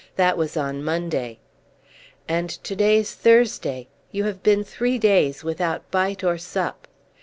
That was on Monday." "And to day's Thursday. You have been three days without bite or sup."